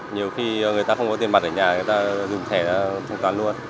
nhiều khi người ta không có tiền mặt ở nhà người ta dùng thẻ thanh toán luôn